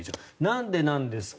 なんでなんですか。